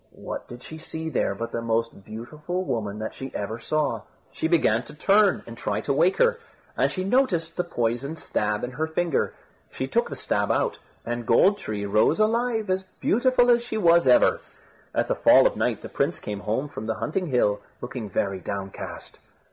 What did she see there but the most beautiful woman that she ever saw. She began to turn and try to wake her, and she noticed the poisoned stab in her finger. She took the stab out, and Gold tree rose alive, as beautiful as she was ever. At the fall of night the prince came home from the hunting hill, looking very downcast.